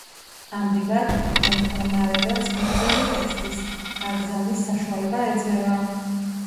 ამგვარად, მომხმარებელს გრძელი ტექსტის გაგზავნის საშუალება ეძლევა.